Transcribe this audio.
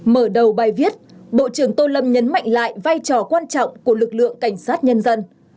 mở đầu bài viết bộ trưởng tô lâm nhấn mạnh lại vai trò quan trọng của lực lượng cảnh sát nhân dân